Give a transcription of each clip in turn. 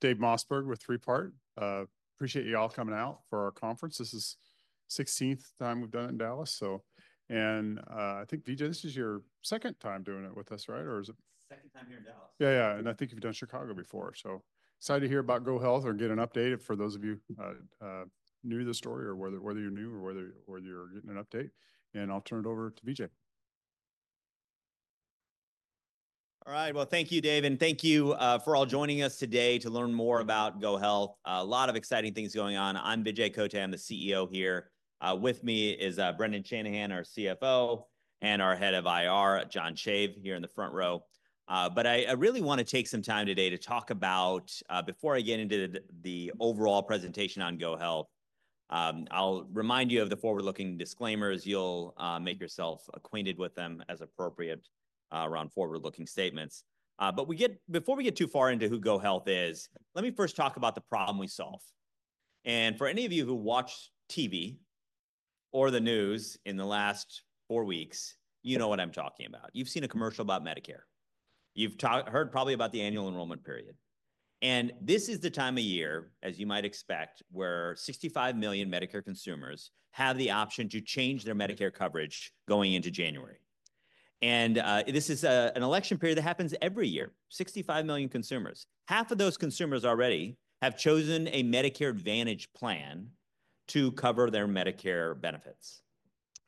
Dave Mossberg with Three Part. Appreciate you all coming out for our conference. This is the 16th time we've done it in Dallas, so. And, I think, Vijay, this is your second time doing it with us, right? Or is it? Yeah, yeah. And I think you've done Chicago before, so. Excited to hear about GoHealth or get an update for those of you new to the story, or whether you're new or whether you're getting an update. And I'll turn it over to Vijay. All right. Well, thank you, Dave, and thank you for all joining us today to learn more about GoHealth. A lot of exciting things going on. I'm Vijay Kotte. I'm the CEO here. With me is Brendan Shanahan, our CFO, and our head of IR, John Shave, here in the front row. I really want to take some time today to talk about, before I get into the overall presentation on GoHealth, I'll remind you of the forward-looking disclaimers. You'll make yourself acquainted with them as appropriate, around forward-looking statements. Before we get too far into who GoHealth is, let me first talk about the problem we solve. For any of you who watch TV or the news in the last four weeks, you know what I'm talking about. You've seen a commercial about Medicare. You've heard probably about the Annual Enrollment Period. This is the time of year, as you might expect, where 65 million Medicare consumers have the option to change their Medicare coverage going into January. This is an election period that happens every year. 65 million consumers. Half of those consumers already have chosen a Medicare Advantage plan to cover their Medicare benefits: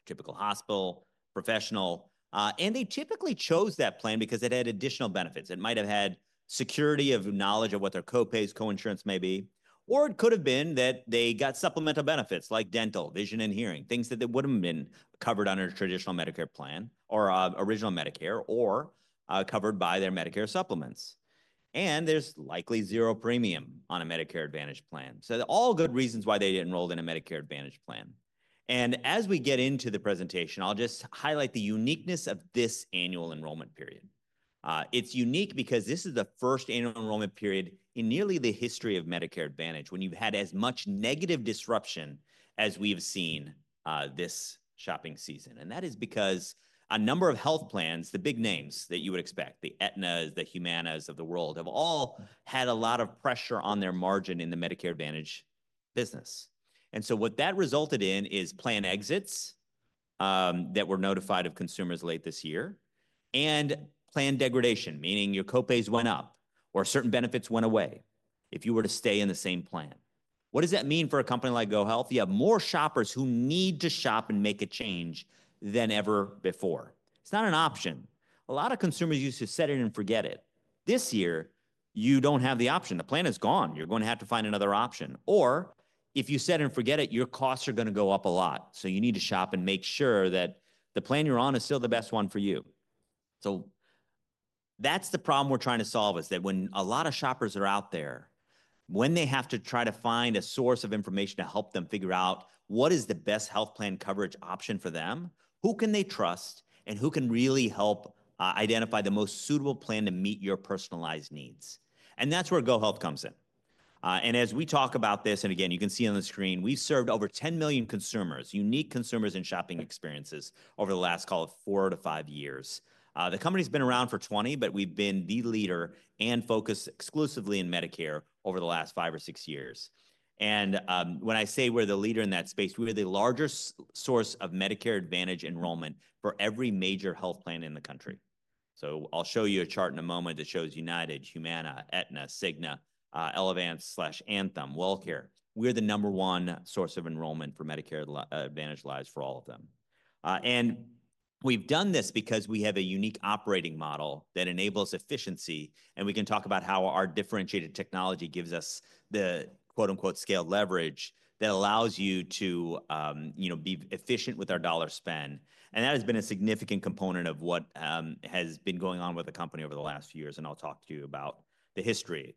typical hospital, professional, and they typically chose that plan because it had additional benefits. It might have had security of knowledge of what their co-pays, co-insurance may be. Or it could have been that they got supplemental benefits like dental, vision, and hearing, things that wouldn't have been covered under a traditional Medicare plan or original Medicare or covered by their Medicare supplements. There's likely zero premium on a Medicare Advantage plan. All good reasons why they enrolled in a Medicare Advantage plan. And as we get into the presentation, I'll just highlight the uniqueness of this Annual Enrollment Period. It's unique because this is the first Annual Enrollment Period in nearly the history of Medicare Advantage when you've had as much negative disruption as we've seen this shopping season. And that is because a number of health plans, the big names that you would expect, the Aetnas, the Humanas of the world, have all had a lot of pressure on their margin in the Medicare Advantage business. And so what that resulted in is plan exits that consumers were notified of late this year, and plan degradation, meaning your co-pays went up or certain benefits went away if you were to stay in the same plan. What does that mean for a company like GoHealth? You have more shoppers who need to shop and make a change than ever before. It's not an option. A lot of consumers used to set it and forget it. This year, you don't have the option. The plan is gone. You're going to have to find another option. Or if you set it and forget it, your costs are going to go up a lot. So you need to shop and make sure that the plan you're on is still the best one for you. So that's the problem we're trying to solve is that when a lot of shoppers are out there, when they have to try to find a source of information to help them figure out what is the best health plan coverage option for them, who can they trust, and who can really help, identify the most suitable plan to meet your personalized needs, and that's where GoHealth comes in. And as we talk about this, and again, you can see on the screen, we've served over 10 million consumers, unique consumers and shopping experiences over the last, call it, four to five years. The company's been around for 20, but we've been the leader and focused exclusively in Medicare over the last five or six years. And, when I say we're the leader in that space, we're the largest source of Medicare Advantage enrollment for every major health plan in the country. So I'll show you a chart in a moment that shows United, Humana, Aetna, Cigna, Elevance/Anthem, WellCare. We're the number one source of enrollment for Medicare Advantage lives for all of them. And we've done this because we have a unique operating model that enables efficiency, and we can talk about how our differentiated technology gives us the "scale leverage" that allows you to, you know, be efficient with our dollar spend. And that has been a significant component of what has been going on with the company over the last few years, and I'll talk to you about the history.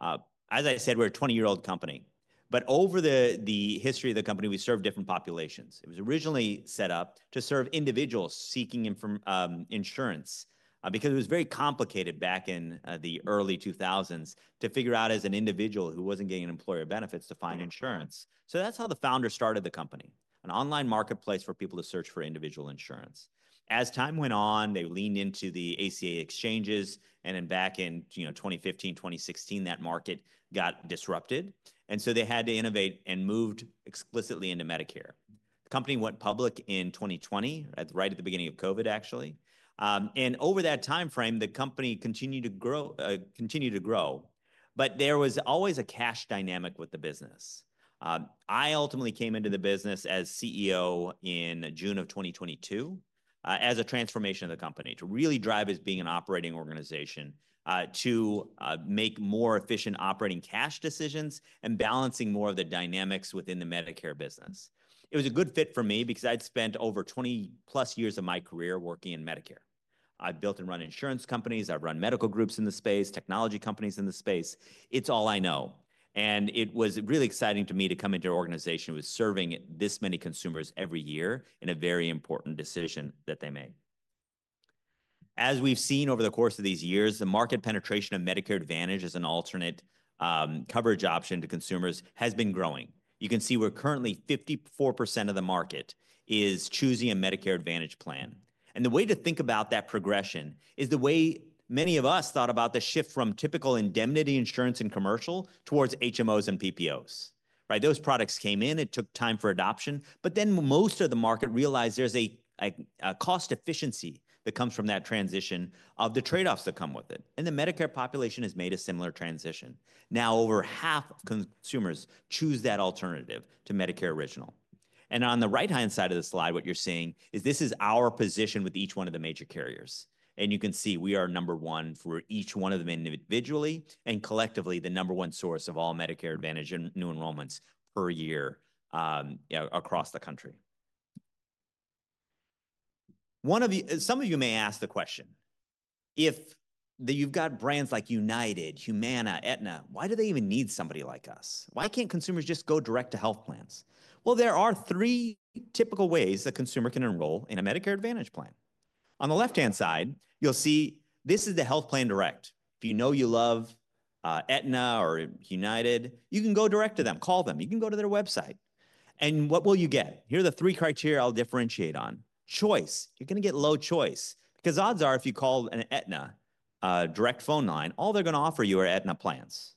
As I said, we're a 20-year-old company. But over the history of the company, we served different populations. It was originally set up to serve individuals seeking insurance, because it was very complicated back in the early 2000s to figure out as an individual who wasn't getting employer benefits to find insurance. So that's how the founder started the company: an online marketplace for people to search for individual insurance. As time went on, they leaned into the ACA exchanges, and then back in, you know, 2015, 2016, that market got disrupted. And so they had to innovate and moved explicitly into Medicare. The company went public in 2020, right at the beginning of COVID, actually, and over that time frame, the company continued to grow. But there was always a cash dynamic with the business. I ultimately came into the business as CEO in June of 2022, as a transformation of the company to really drive us being an operating organization, to make more efficient operating cash decisions and balancing more of the dynamics within the Medicare business. It was a good fit for me because I'd spent over 20+ years of my career working in Medicare. I've built and run insurance companies. I've run medical groups in the space, technology companies in the space. It's all I know. And it was really exciting to me to come into an organization who was serving this many consumers every year in a very important decision that they made. As we've seen over the course of these years, the market penetration of Medicare Advantage as an alternate, coverage option to consumers has been growing. You can see we're currently 54% of the market is choosing a Medicare Advantage plan. And the way to think about that progression is the way many of us thought about the shift from typical indemnity insurance and commercial towards HMOs and PPOs, right? Those products came in. It took time for adoption. But then most of the market realized there's a cost efficiency that comes from that transition of the trade-offs that come with it. And the Medicare population has made a similar transition. Now, over half of consumers choose that alternative to Medicare Original. And on the right-hand side of the slide, what you're seeing is this is our position with each one of the major carriers. And you can see we are number one for each one of them individually and collectively the number one source of all Medicare Advantage and new enrollments per year, across the country. One of you, some of you may ask the question: if you've got brands like United, Humana, Aetna, why do they even need somebody like us? Why can't consumers just go direct to health plans? Well, there are three typical ways a consumer can enroll in a Medicare Advantage plan. On the left-hand side, you'll see this is the Health Plan Direct. If you know you love, Aetna or United, you can go direct to them, call them. You can go to their website. And what will you get? Here are the three criteria I'll differentiate on. Choice. You're going to get low choice because odds are if you call an Aetna direct phone line, all they're going to offer you are Aetna plans.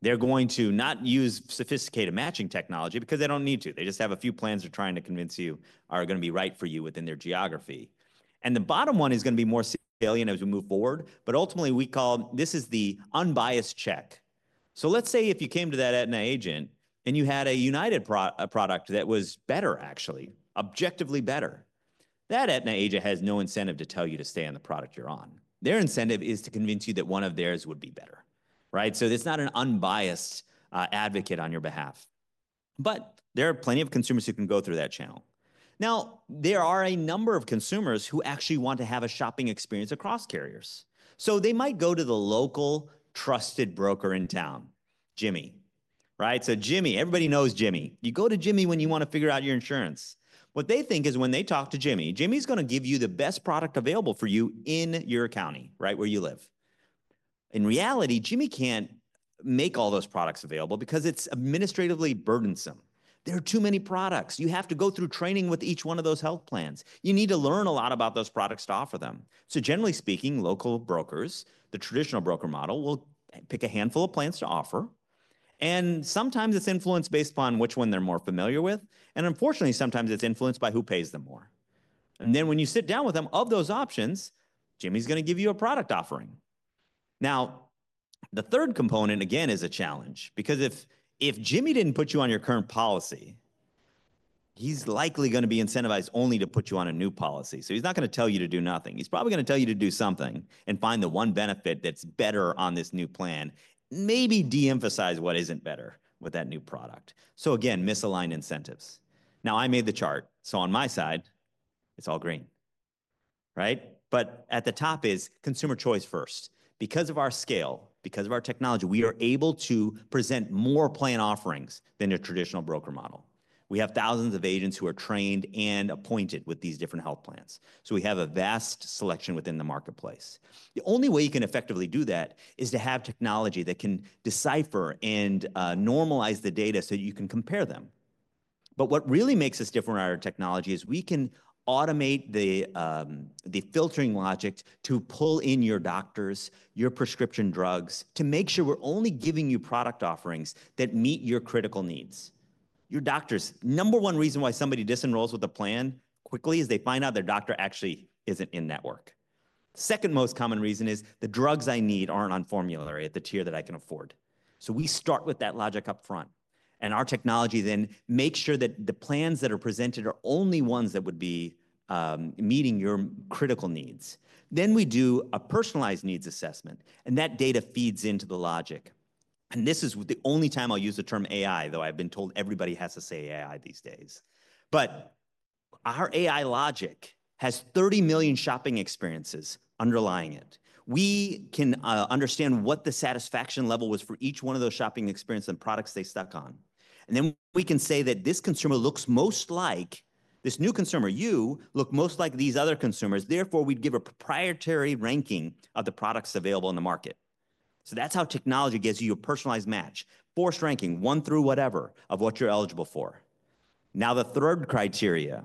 They're going to not use sophisticated matching technology because they don't need to. They just have a few plans they're trying to convince you are going to be right for you within their geography. And the bottom one is going to be more salient as we move forward. But ultimately, we call this is the unbiased check. So let's say if you came to that Aetna agent and you had a United product that was better, actually, objectively better, that Aetna agent has no incentive to tell you to stay on the product you're on. Their incentive is to convince you that one of theirs would be better, right? So it's not an unbiased advocate on your behalf. But there are plenty of consumers who can go through that channel. Now, there are a number of consumers who actually want to have a shopping experience across carriers. So they might go to the local trusted broker in town, Jimmy, right? So Jimmy, everybody knows Jimmy. You go to Jimmy when you want to figure out your insurance. What they think is when they talk to Jimmy, Jimmy's going to give you the best product available for you in your county, right, where you live. In reality, Jimmy can't make all those products available because it's administratively burdensome. There are too many products. You have to go through training with each one of those health plans. You need to learn a lot about those products to offer them. So generally speaking, local brokers, the traditional broker model will pick a handful of plans to offer. And sometimes it's influenced based upon which one they're more familiar with. And unfortunately, sometimes it's influenced by who pays them more. And then when you sit down with them of those options, Jimmy's going to give you a product offering. Now, the third component, again, is a challenge because if Jimmy didn't put you on your current policy, he's likely going to be incentivized only to put you on a new policy. So he's not going to tell you to do nothing. He's probably going to tell you to do something and find the one benefit that's better on this new plan, maybe de-emphasize what isn't better with that new product. So again, misaligned incentives. Now, I made the chart. So on my side, it's all green, right? But at the top is consumer choice first. Because of our scale, because of our technology, we are able to present more plan offerings than a traditional broker model. We have thousands of agents who are trained and appointed with these different health plans. So we have a vast selection within the marketplace. The only way you can effectively do that is to have technology that can decipher and normalize the data so that you can compare them. But what really makes us different in our technology is we can automate the filtering logic to pull in your doctors, your prescription drugs to make sure we're only giving you product offerings that meet your critical needs. Your doctors, number one reason why somebody disenrolls with a plan quickly is they find out their doctor actually isn't in network. The second most common reason is the drugs I need aren't on formulary at the tier that I can afford, so we start with that logic upfront, and our technology then makes sure that the plans that are presented are only ones that would be meeting your critical needs, then we do a personalized needs assessment, and that data feeds into the logic, and this is the only time I'll use the term AI, though I've been told everybody has to say AI these days, but our AI logic has 30 million shopping experiences underlying it. We can understand what the satisfaction level was for each one of those shopping experiences and products they stuck on, and then we can say that this consumer looks most like this new consumer, you look most like these other consumers. Therefore, we'd give a proprietary ranking of the products available in the market. So that's how technology gives you a personalized match, forced ranking, one through whatever of what you're eligible for. Now, the third criteria,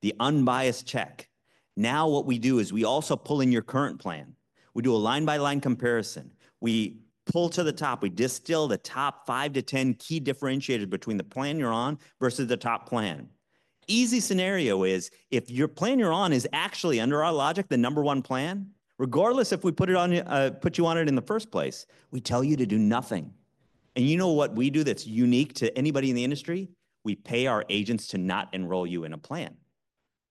the unbiased check. Now, what we do is we also pull in your current plan. We do a line-by-line comparison. We pull to the top. We distill the top five to 10 key differentiators between the plan you're on versus the top plan. Easy scenario is if your plan you're on is actually under our logic, the number one plan, regardless if we put it on, put you on it in the first place, we tell you to do nothing. And you know what we do that's unique to anybody in the industry? We pay our agents to not enroll you in a plan.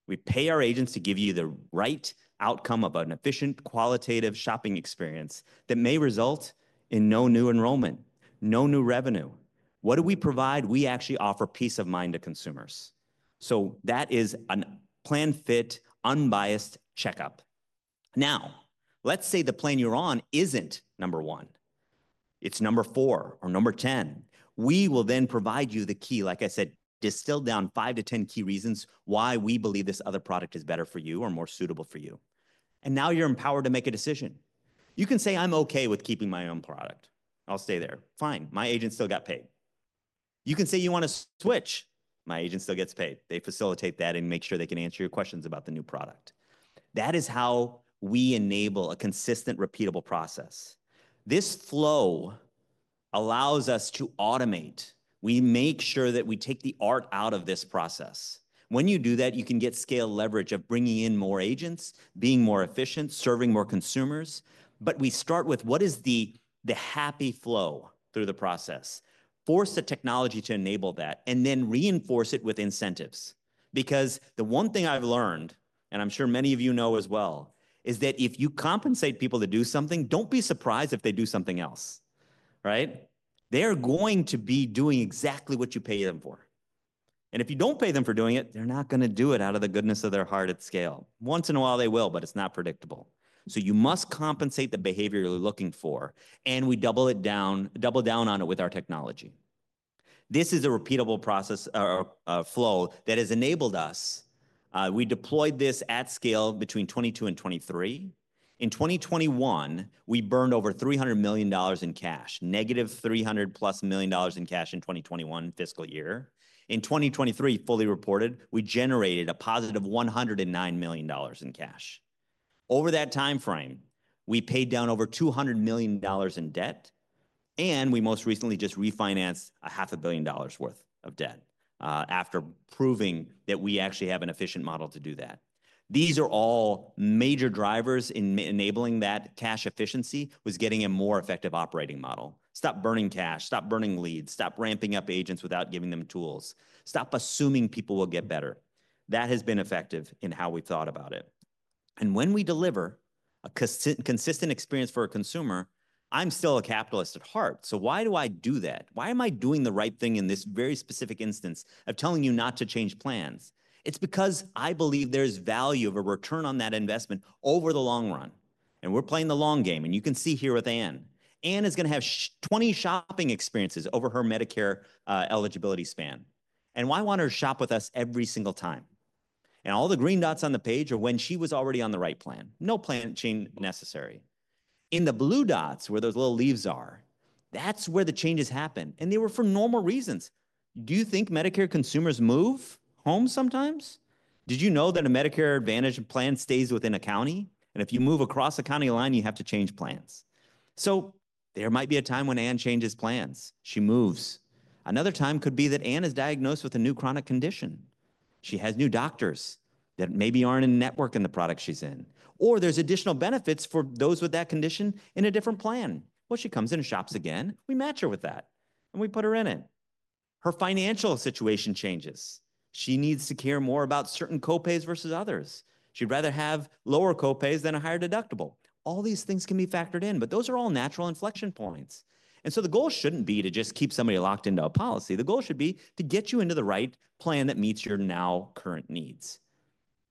We pay our agents to give you the right outcome of an efficient, qualitative shopping experience that may result in no new enrollment, no new revenue. What do we provide? We actually offer peace of mind to consumers, so that is a PlanFit, unbiased checkup. Now, let's say the plan you're on isn't number one. It's number four or number ten. We will then provide you the key, like I said, distilled down five to ten key reasons why we believe this other product is better for you or more suitable for you, and now you're empowered to make a decision. You can say, "I'm okay with keeping my own product. I'll stay there." Fine. My agent still got paid. You can say you want to switch. My agent still gets paid. They facilitate that and make sure they can answer your questions about the new product. That is how we enable a consistent, repeatable process. This flow allows us to automate. We make sure that we take the art out of this process. When you do that, you can get scale leverage of bringing in more agents, being more efficient, serving more consumers. But we start with what is the happy flow through the process, force the technology to enable that, and then reinforce it with incentives. Because the one thing I've learned, and I'm sure many of you know as well, is that if you compensate people to do something, don't be surprised if they do something else, right? They're going to be doing exactly what you pay them for. And if you don't pay them for doing it, they're not going to do it out of the goodness of their heart at scale. Once in a while, they will, but it's not predictable. You must compensate the behavior you're looking for, and we double it down, double down on it with our technology. This is a repeatable process or flow that has enabled us. We deployed this at scale between 2022 and 2023. In 2021, we burned over $300 million in cash, negative $300 plus million in cash in 2021 fiscal year. In 2023, fully reported, we generated a positive $109 million in cash. Over that time frame, we paid down over $200 million in debt, and we most recently just refinanced $500 million worth of debt, after proving that we actually have an efficient model to do that. These are all major drivers in enabling that cash efficiency, was getting a more effective operating model. Stop burning cash, stop burning leads, stop ramping up agents without giving them tools, stop assuming people will get better. That has been effective in how we thought about it. And when we deliver a consistent experience for a consumer, I'm still a capitalist at heart. So why do I do that? Why am I doing the right thing in this very specific instance of telling you not to change plans? It's because I believe there is value of a return on that investment over the long run. And we're playing the long game. And you can see here with Anne. Anne is going to have 20 shopping experiences over her Medicare eligibility span. And why want her to shop with us every single time? And all the green dots on the page are when she was already on the right plan. No plan change necessary. In the blue dots, where those little leaves are, that's where the changes happen. And they were for normal reasons. Do you think Medicare consumers move home sometimes? Did you know that a Medicare Advantage plan stays within a county? And if you move across a county line, you have to change plans. So there might be a time when Anne changes plans. She moves. Another time could be that Anne is diagnosed with a new chronic condition. She has new doctors that maybe aren't in network in the product she's in. Or there's additional benefits for those with that condition in a different plan. Well, she comes in and shops again. We match her with that, and we put her in it. Her financial situation changes. She needs to care more about certain copays versus others. She'd rather have lower copays than a higher deductible. All these things can be factored in, but those are all natural inflection points. And so the goal shouldn't be to just keep somebody locked into a policy. The goal should be to get you into the right plan that meets your now current needs.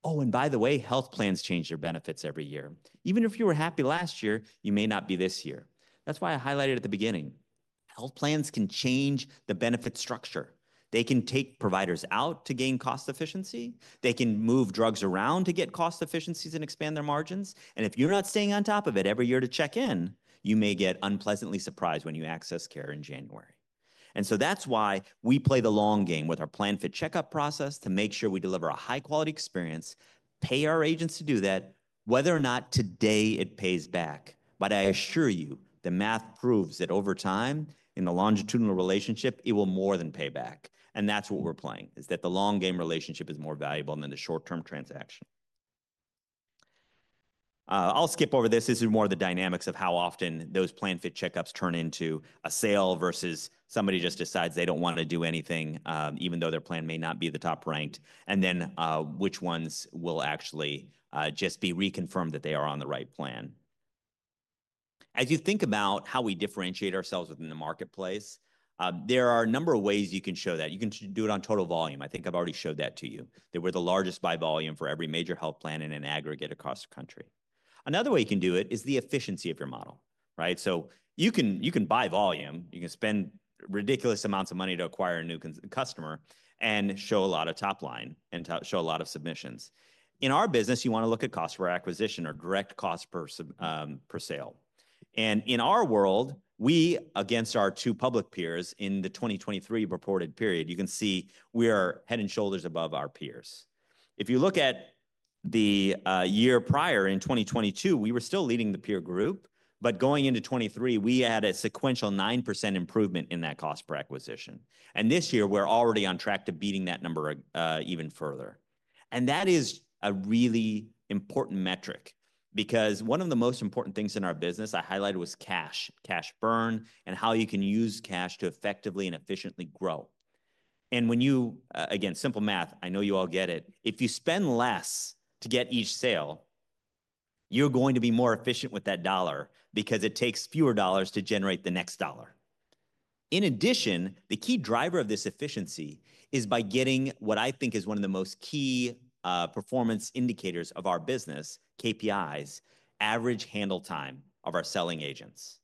Oh, and by the way, health plans change their benefits every year. Even if you were happy last year, you may not be this year. That's why I highlighted at the beginning. Health plans can change the benefit structure. They can take providers out to gain cost efficiency. They can move drugs around to get cost efficiencies and expand their margins. And if you're not staying on top of it every year to check in, you may get unpleasantly surprised when you access care in January. And so that's why we play the long game with our plan-fit checkup process to make sure we deliver a high-quality experience, pay our agents to do that, whether or not today it pays back. But I assure you, the math proves that over time in the longitudinal relationship, it will more than pay back. And that's what we're playing, is that the long game relationship is more valuable than the short-term transaction. I'll skip over this. This is more of the dynamics of how often those plan-fit checkups turn into a sale versus somebody just decides they don't want to do anything, even though their plan may not be the top ranked, and then, which ones will actually just be reconfirmed that they are on the right plan. As you think about how we differentiate ourselves within the marketplace, there are a number of ways you can show that. You can do it on total volume. I think I've already showed that to you, that we're the largest by volume for every major health plan in an aggregate across the country. Another way you can do it is the efficiency of your model, right? So you can, you can buy volume. You can spend ridiculous amounts of money to acquire a new customer and show a lot of top line and show a lot of submissions. In our business, you want to look at cost per acquisition or direct cost per, per sale. And in our world, we, against our two public peers in the 2023 reported period, you can see we are head and shoulders above our peers. If you look at the year prior in 2022, we were still leading the peer group, but going into 2023, we had a sequential 9% improvement in that cost per acquisition. And this year, we're already on track to beating that number, even further. And that is a really important metric because one of the most important things in our business I highlighted was cash, cash burn, and how you can use cash to effectively and efficiently grow. And when you again simple math, I know you all get it. If you spend less to get each sale, you're going to be more efficient with that dollar because it takes fewer dollars to generate the next dollar. In addition, the key driver of this efficiency is by getting what I think is one of the most key performance indicators of our business, KPIs, average handle time of our selling agents.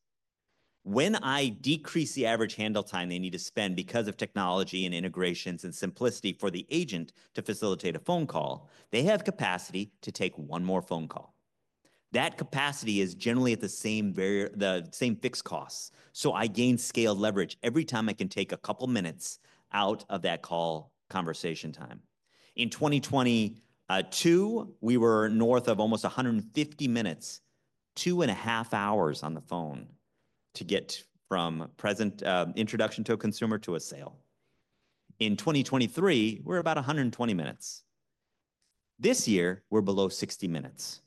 When I decrease the average handle time they need to spend because of technology and integrations and simplicity for the agent to facilitate a phone call, they have capacity to take one more phone call. That capacity is generally at the same level, the same fixed costs. So I gain scale leverage every time I can take a couple minutes out of that call conversation time. In 2022, we were north of almost 150 minutes, two and a half hours on the phone to get from presentation, introduction to a consumer to a sale. In 2023, we're about 120 minutes. This year, we're below 60 minutes.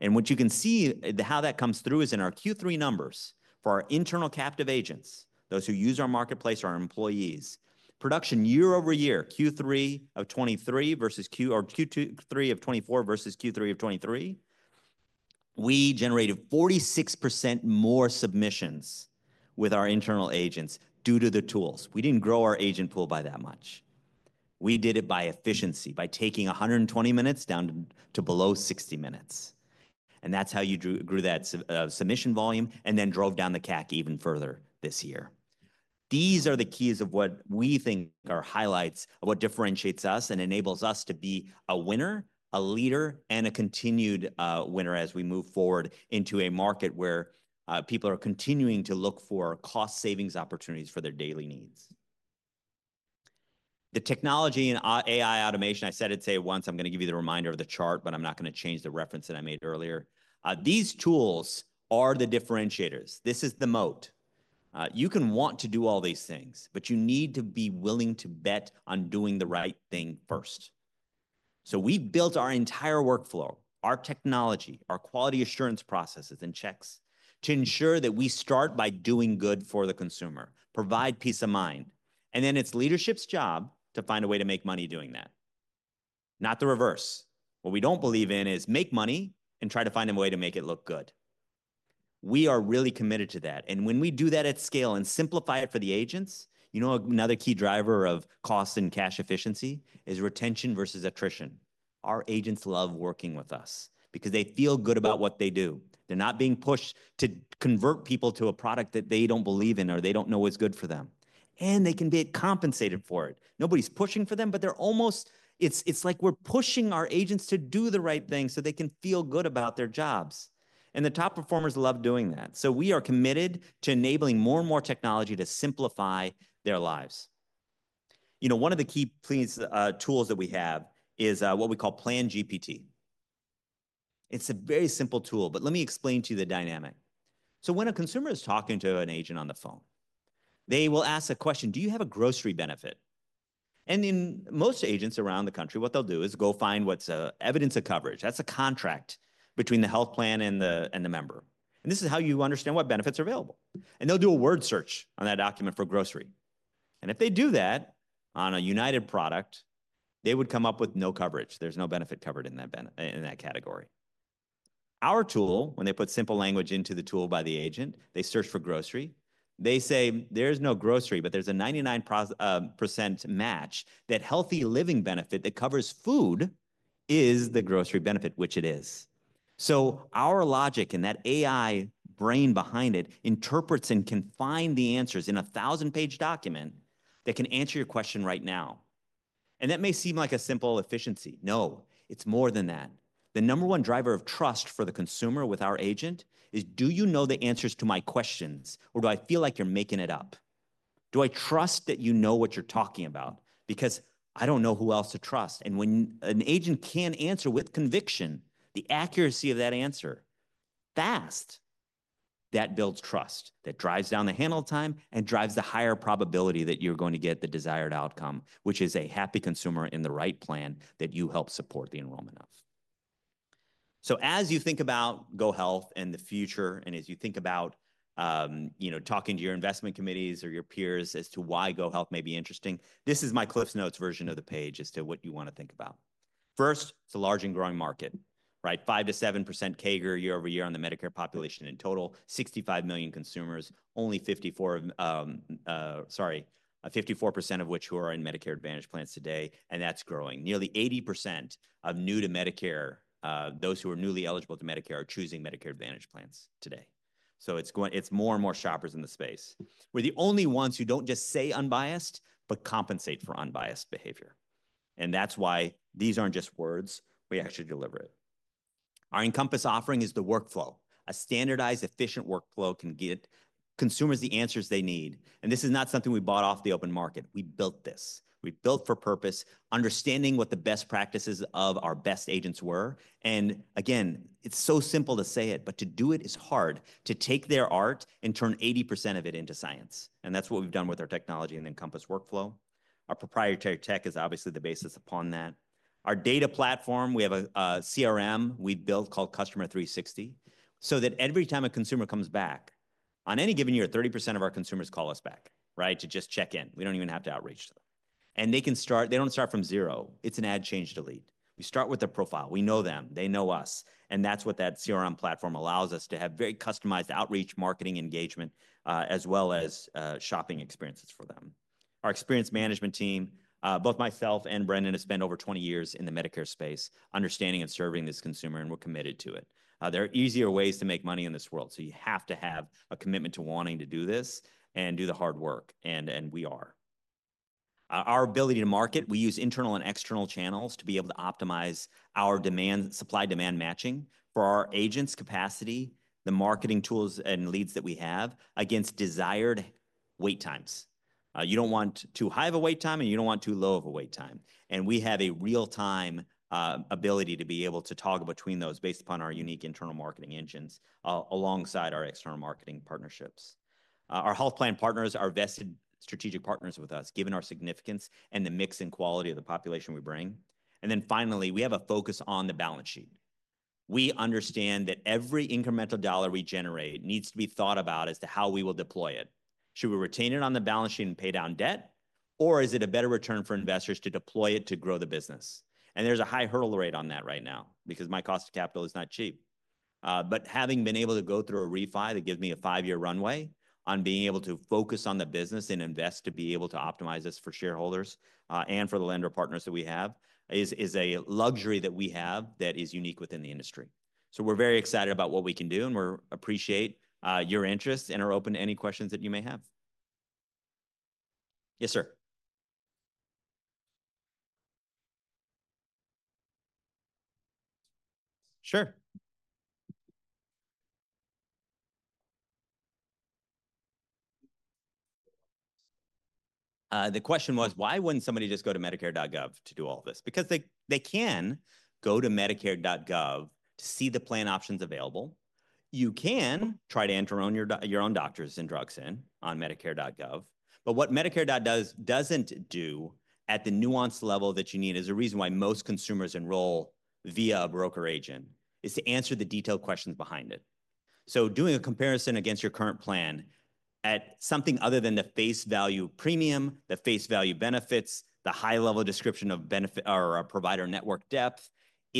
What you can see how that comes through is in our Q3 numbers for our internal captive agents, those who use our marketplace, our employees, production year over year, Q3 of 2023 versus Q3 of 2024 versus Q3 of 2023. We generated 46% more submissions with our internal agents due to the tools. We didn't grow our agent pool by that much. We did it by efficiency, by taking 120 minutes down to below 60 minutes. That's how you grew that submission volume and then drove down the CAC even further this year. These are the keys of what we think are highlights of what differentiates us and enables us to be a winner, a leader, and a continued winner as we move forward into a market where people are continuing to look for cost savings opportunities for their daily needs. The technology and AI automation, I said it today once, I'm going to give you the reminder of the chart, but I'm not going to change the reference that I made earlier. These tools are the differentiators. This is the moat. You can want to do all these things, but you need to be willing to bet on doing the right thing first. So we built our entire workflow, our technology, our quality assurance processes and checks to ensure that we start by doing good for the consumer, provide peace of mind, and then it's leadership's job to find a way to make money doing that, not the reverse. What we don't believe in is make money and try to find a way to make it look good. We are really committed to that. When we do that at scale and simplify it for the agents, you know, another key driver of cost and cash efficiency is retention versus attrition. Our agents love working with us because they feel good about what they do. They're not being pushed to convert people to a product that they don't believe in or they don't know is good for them. And they can get compensated for it. Nobody's pushing for them, but they're almost; it's like we're pushing our agents to do the right thing so they can feel good about their jobs. And the top performers love doing that. So we are committed to enabling more and more technology to simplify their lives. You know, one of the key plans, tools that we have is what we call PlanGPT. It's a very simple tool, but let me explain to you the dynamic. So when a consumer is talking to an agent on the phone, they will ask a question, "Do you have a grocery benefit?" And then most agents around the country, what they'll do is go find what's an Evidence of Coverage. That's a contract between the health plan and the member. And they'll do a word search on that document for grocery. And if they do that on a United product, they would come up with no coverage. There's no benefit covered in that category. Our tool, when they put simple language into the tool by the agent, they search for grocery. They say, "There's no grocery, but there's a 99% match that healthy living benefit that covers food is the grocery benefit," which it is. So our logic and that AI brain behind it interprets and can find the answers in a thousand-page document that can answer your question right now. And that may seem like a simple efficiency. No, it's more than that. The number one driver of trust for the consumer with our agent is, "Do you know the answers to my questions, or do I feel like you're making it up? Do I trust that you know what you're talking about?" Because I don't know who else to trust. And when an agent can answer with conviction the accuracy of that answer fast, that builds trust, that drives down the handle time and drives the higher probability that you're going to get the desired outcome, which is a happy consumer in the right plan that you help support the enrollment of. So as you think about GoHealth and the future, and as you think about, you know, talking to your investment committees or your peers as to why GoHealth may be interesting, this is my CliffsNotes version of the page as to what you want to think about. First, it's a large and growing market, right? 5%-7% CAGR year over year on the Medicare population in total, 65 million consumers, only 54 of, sorry, 54% of which who are in Medicare Advantage plans today, and that's growing. Nearly 80% of new to Medicare, those who are newly eligible to Medicare are choosing Medicare Advantage plans today. So it's going, it's more and more shoppers in the space. We're the only ones who don't just say unbiased, but compensate for unbiased behavior. And that's why these aren't just words. We actually deliver it. Our Encompass offering is the workflow. A standardized, efficient workflow can get consumers the answers they need. And this is not something we bought off the open market. We built this. We built for purpose, understanding what the best practices of our best agents were. And again, it's so simple to say it, but to do it is hard to take their art and turn 80% of it into science. And that's what we've done with our technology and Encompass workflow. Our proprietary tech is obviously the basis upon that. Our data platform, we have a CRM we built called Customer 360 so that every time a consumer comes back, on any given year, 30% of our consumers call us back, right, to just check in. We don't even have to outreach to them. And they can start, they don't start from zero. It's an ad change delete. We start with their profile. We know them, they know us. And that's what that CRM platform allows us to have very customized outreach, marketing engagement, as well as, shopping experiences for them. Our experience management team, both myself and Brendan have spent over 20 years in the Medicare space understanding and serving this consumer, and we're committed to it. There are easier ways to make money in this world. So you have to have a commitment to wanting to do this and do the hard work. And we are. Our ability to market, we use internal and external channels to be able to optimize our demand, supply-demand matching for our agents' capacity, the marketing tools and leads that we have against desired wait times. You don't want too high of a wait time, and you don't want too low of a wait time. And we have a real-time, ability to be able to toggle between those based upon our unique internal marketing engines, alongside our external marketing partnerships. Our health plan partners are vested strategic partners with us, given our significance and the mix and quality of the population we bring. And then finally, we have a focus on the balance sheet. We understand that every incremental dollar we generate needs to be thought about as to how we will deploy it. Should we retain it on the balance sheet and pay down debt, or is it a better return for investors to deploy it to grow the business? And there's a high hurdle rate on that right now because my cost of capital is not cheap. But having been able to go through a refi that gives me a five-year runway on being able to focus on the business and invest to be able to optimize this for shareholders, and for the lender partners that we have is, is a luxury that we have that is unique within the industry. So we're very excited about what we can do, and we appreciate your interest and are open to any questions that you may have. Yes, sir. Sure. The question was, why wouldn't somebody just go to Medicare.gov to do all of this? Because they, they can go to Medicare.gov to see the plan options available. You can try to enter on your, your own doctors and drugs in on Medicare.gov. But what Medicare.gov doesn't do at the nuanced level that you need is a reason why most consumers enroll via a broker agent is to answer the detailed questions behind it. So doing a comparison against your current plan at something other than the face value premium, the face value benefits, the high-level description of benefit or a provider network depth,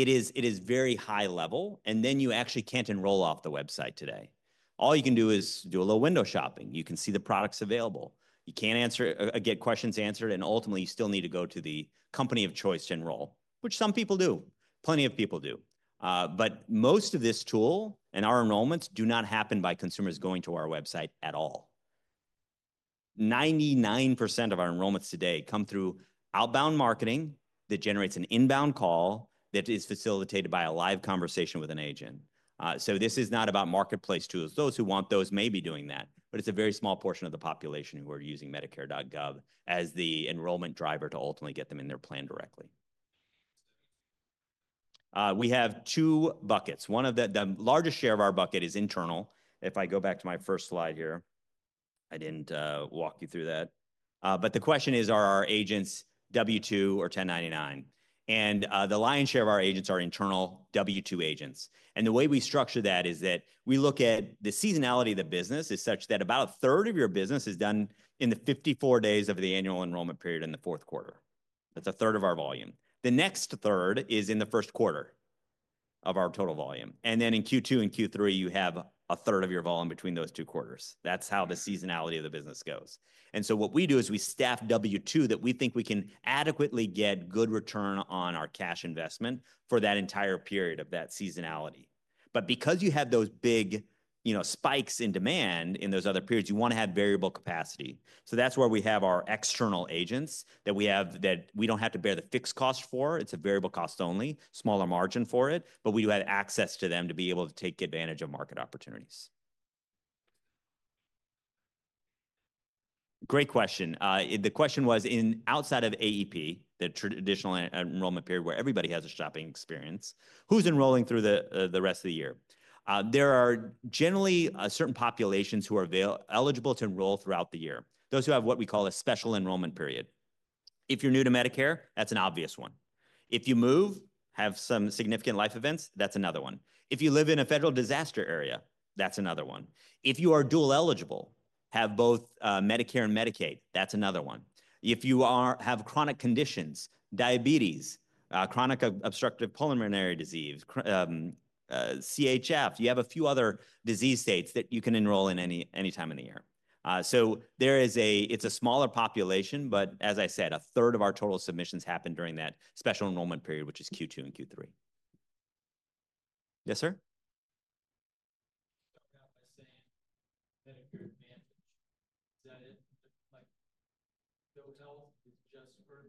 it is, it is very high level, and then you actually can't enroll off the website today. All you can do is do a little window shopping. You can see the products available. You can't answer, get questions answered, and ultimately you still need to go to the company of choice to enroll, which some people do. Plenty of people do. But most of this tool and our enrollments do not happen by consumers going to our website at all. 99% of our enrollments today come through outbound marketing that generates an inbound call that is facilitated by a live conversation with an agent, so this is not about marketplace tools. Those who want those may be doing that, but it's a very small portion of the population who are using Medicare.gov as the enrollment driver to ultimately get them in their plan directly, we have two buckets. One of the largest share of our bucket is internal. If I go back to my first slide here, I didn't walk you through that, but the question is, are our agents W-2 or 1099, and the lion's share of our agents are internal W-2 agents. And the way we structure that is that we look at the seasonality of the business is such that about a third of your business is done in the 54 days of the Annual Enrollment Period in the Q4. That's a third of our volume. The next third is in the Q1 of our total volume. And then in Q2 and Q3, you have a third of your volume between those two quarters. That's how the seasonality of the business goes. And so what we do is we staff W-2 that we think we can adequately get good return on our cash investment for that entire period of that seasonality. But because you have those big, you know, spikes in demand in those other periods, you want to have variable capacity. So that's where we have our external agents that we have that we don't have to bear the fixed cost for. It's a variable cost only, smaller margin for it, but we do have access to them to be able to take advantage of market opportunities. Great question. The question was, outside of AEP, the traditional enrollment period where everybody has a shopping experience, who's enrolling through the rest of the year? There are generally certain populations who are eligible to enroll throughout the year. Those who have what we call a special enrollment period. If you're new to Medicare, that's an obvious one. If you move, have some significant life events, that's another one. If you live in a federal disaster area, that's another one. If you are dual eligible, have both Medicare and Medicaid, that's another one. If you have chronic conditions, diabetes, chronic obstructive pulmonary disease, CHF, you have a few other disease states that you can enroll in any time in the year. There is a smaller population, but as I said, a third of our total submissions happen during that special enrollment period, which is Q2 and Q3. Yes, sir. Start out by saying Medicare Advantage. Is that it? Like GoHealth is just for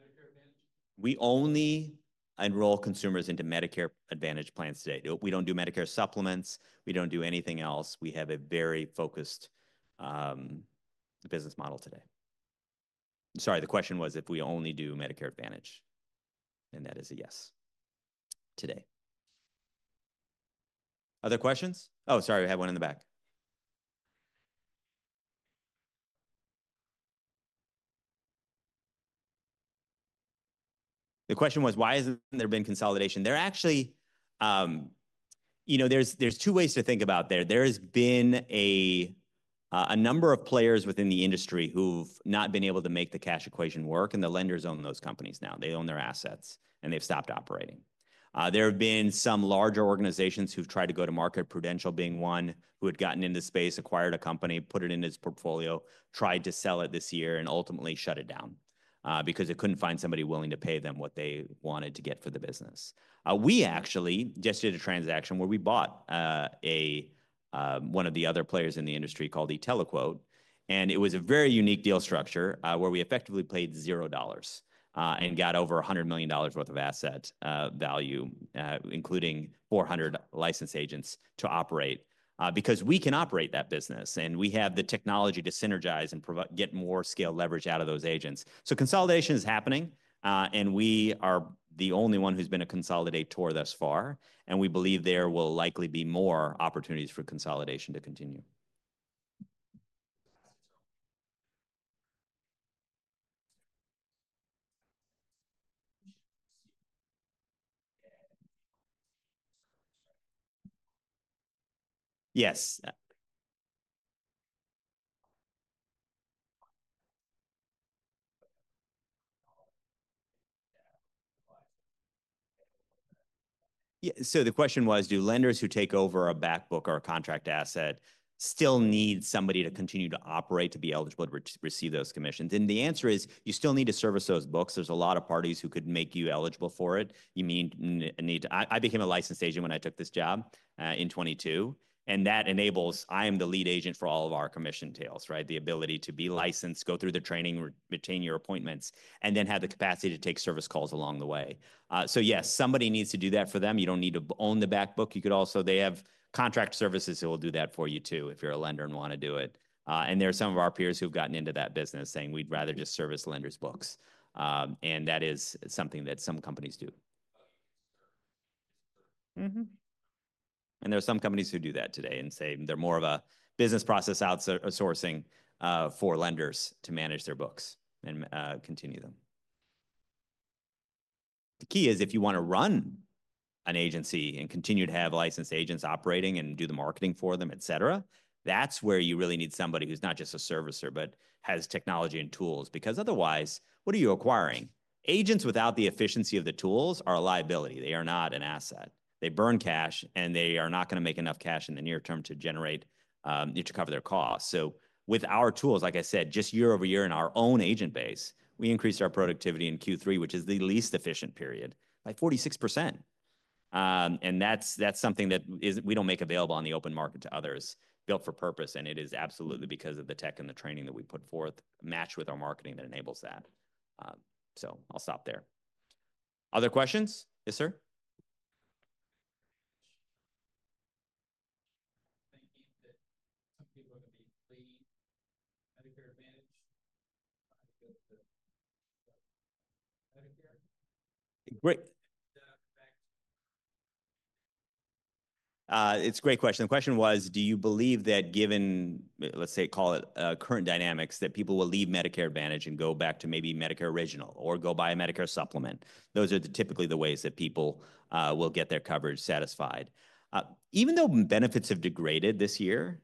Medicare Advantage? We only enroll consumers into Medicare Advantage plans today. We don't do Medicare supplements. We don't do anything else. We have a very focused business model today. Sorry, the question was if we only do Medicare Advantage, and that is a yes today. Other questions? Oh, sorry, we had one in the back. The question was, why hasn't there been consolidation? There actually, you know, there is two ways to think about there. There has been a number of players within the industry who've not been able to make the cash equation work, and the lenders own those companies now. They own their assets, and they've stopped operating. There have been some larger organizations who've tried to go to market, Prudential being one, who had gotten into the space, acquired a company, put it in his portfolio, tried to sell it this year, and ultimately shut it down, because it couldn't find somebody willing to pay them what they wanted to get for the business. We actually just did a transaction where we bought one of the other players in the industry called e-TeleQuote, and it was a very unique deal structure, where we effectively paid $0, and got over $100 million worth of asset value, including 400 licensed agents to operate, because we can operate that business and we have the technology to synergize and provide get more scale leverage out of those agents. So consolidation is happening, and we are the only one who's been a consolidator thus far, and we believe there will likely be more opportunities for consolidation to continue. Yes. Yeah. So the question was, do lenders who take over a backbook or a contract asset still need somebody to continue to operate to be eligible to receive those commissions? And the answer is you still need to service those books. There's a lot of parties who could make you eligible for it. You mean you need to. I became a licensed agent when I took this job, in 2022, and that enables. I am the lead agent for all of our commission tails, right? The ability to be licensed, go through the training, retain your appointments, and then have the capacity to take service calls along the way. So yes, somebody needs to do that for them. You don't need to own the backbook. You could also. They have contract services that will do that for you too if you're a lender and want to do it. And there are some of our peers who've gotten into that business saying we'd rather just service lenders' books. And that is something that some companies do. Mm-hmm. There are some companies who do that today and say they're more of a business process outsourcing for lenders to manage their books and continue them. The key is if you want to run an agency and continue to have licensed agents operating and do the marketing for them, et cetera, that's where you really need somebody who's not just a servicer, but has technology and tools, because otherwise, what are you acquiring? Agents without the efficiency of the tools are a liability. They are not an asset. They burn cash, and they are not going to make enough cash in the near term to generate, you to cover their costs. With our tools, like I said, just year over year in our own agent base, we increased our productivity in Q3, which is the least efficient period, by 46%. And that's, that's something that is, we don't make available on the open market to others, built for purpose, and it is absolutely because of the tech and the training that we put forth match with our marketing that enables that. So I'll stop there. Other questions? Yes, sir. Thinking that some people are going to be fleeing Medicare Advantage? Medicare. Great. It's a great question. The question was, do you believe that given, let's say, call it, current dynamics that people will leave Medicare Advantage and go back to maybe Medicare Original or go buy a Medicare Supplement? Those are typically the ways that people, will get their coverage satisfied. Even though benefits have degraded this year,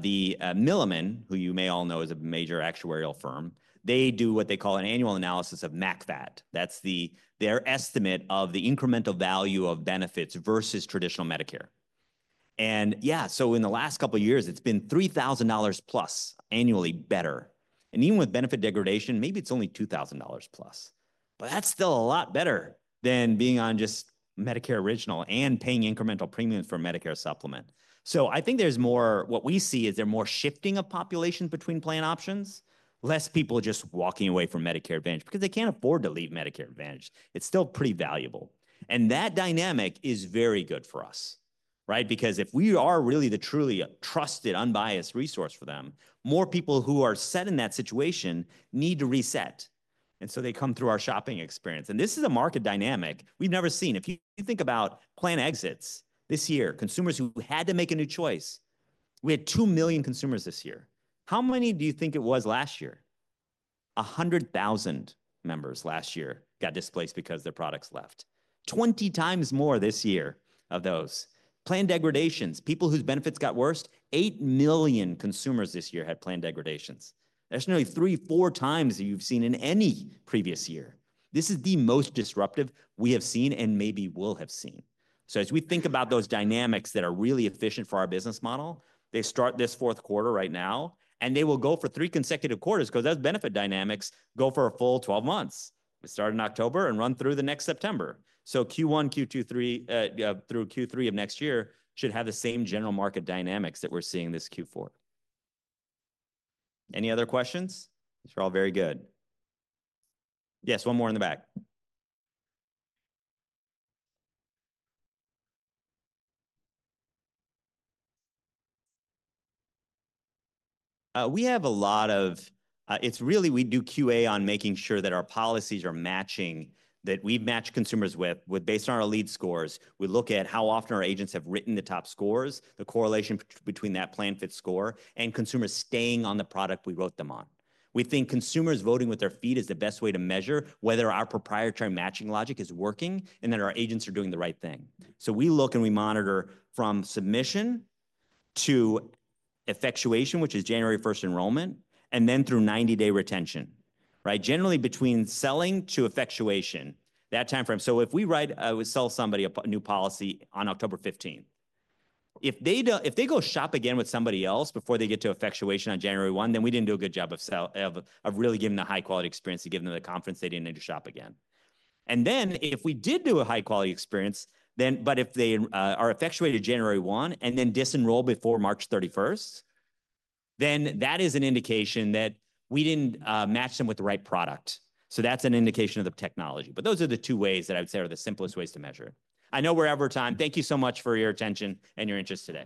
the, Milliman, who you may all know is a major actuarial firm, they do what they call an annual analysis of MA-CVAT. That's their estimate of the incremental value of benefits versus traditional Medicare. And yeah, so in the last couple of years, it's been $3,000 plus annually better. And even with benefit degradation, maybe it's only $2,000 plus, but that's still a lot better than being on just Medicare Original and paying incremental premiums for Medicare Supplement. So I think there's more, what we see is they're more shifting a population between plan options, less people just walking away from Medicare Advantage because they can't afford to leave Medicare Advantage. It's still pretty valuable. And that dynamic is very good for us, right? Because if we are really the truly trusted, unbiased resource for them, more people who are set in that situation need to reset. And so they come through our shopping experience. And this is a market dynamic we've never seen. If you think about plan exits this year, consumers who had to make a new choice, we had 2 million consumers this year. How many do you think it was last year? 100,000 members last year got displaced because their products left. 20x more this year of those. Plan degradations, people whose benefits got worse, 8 million consumers this year had plan degradations. That's nearly three, four times that you've seen in any previous year. This is the most disruptive we have seen and maybe will have seen. So as we think about those dynamics that are really efficient for our business model, they start this Q4 right now, and they will go for three consecutive quarters because those benefit dynamics go for a full 12 months. We start in October and run through the next September. So Q1, Q2, Q3, through Q3 of next year should have the same general market dynamics that we're seeing this Q4. Any other questions? These are all very good. Yes, one more in the back. We have a lot of, it's really, we do QA on making sure that our policies are matching, that we've matched consumers with, with based on our lead scores. We look at how often our agents have written the top scores, the correlation between that PlanFit score and consumers staying on the product we wrote them on. We think consumers voting with their feet is the best way to measure whether our proprietary matching logic is working and that our agents are doing the right thing. So we look and we monitor from submission to effectuation, which is January 1st enrollment, and then through 90-day retention, right? Generally between selling to effectuation, that timeframe. So if we write, I would sell somebody a new policy on October 15th. If they go shop again with somebody else before they get to effectuation on January 1, then we didn't do a good job of selling, really giving them a high-quality experience to give them the confidence they didn't need to shop again. And then if we did do a high-quality experience, but if they are effectuated January 1 and then disenroll before March 31st, then that is an indication that we didn't match them with the right product. So that's an indication of the technology. But those are the two ways that I would say are the simplest ways to measure it. I know we're over time. Thank you so much for your attention and your interest in it.